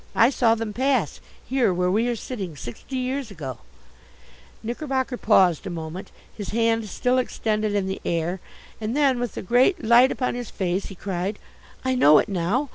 I saw them pass, here where we are sitting, sixty years ago " Knickerbocker paused a moment, his hand still extended in the air, and then with a great light upon his face he cried: "I know it now!